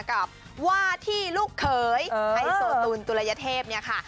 กับว่าที่ลูกเคยให้โสตุลตุลัยเทพเนี่ยค่ะ